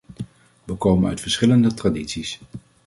We komen uit verschillende tradities.